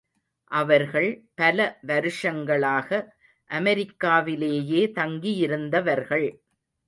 அவர்கள் பல வருஷங்களாக அமெரிக்காவிலேயே தங்கியிருந்தவர்கள்.